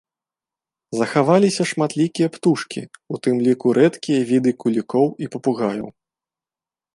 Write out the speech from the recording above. Захаваліся шматлікія птушкі, у тым ліку рэдкія віды кулікоў і папугаяў.